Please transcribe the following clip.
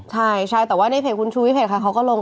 ใช่ใช่แต่ว่าในเพจคุณชูวิเศษค่ะเขาก็ลง